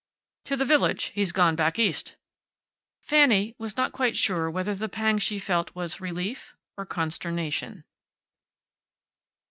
"To the village. He's gone back east." Fanny was not quite sure whether the pang she felt was relief or consternation.